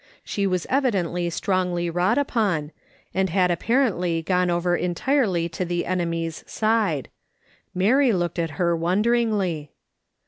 She w^as evidently strongly wrought upon, and had apparently gone over entirely to the enemy's side. Mary looked at her wonderingly.